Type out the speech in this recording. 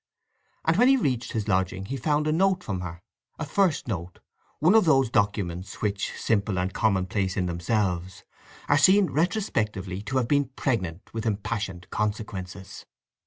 And when he reached his lodging he found a note from her—a first note—one of those documents which, simple and commonplace in themselves, are seen retrospectively to have been pregnant with impassioned consequences.